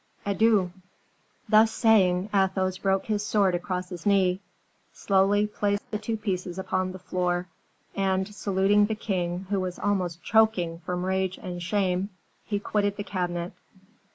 Adieu!" Thus saying, Athos broke his sword across his knee, slowly placed the two pieces upon the floor, and saluting the king, who was almost choking from rage and shame, he quitted the cabinet.